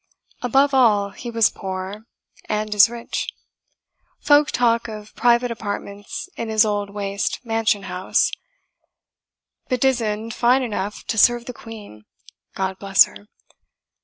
Above all, he was poor, and is rich. Folk talk of private apartments in his old waste mansion house, bedizened fine enough to serve the Queen, God bless her!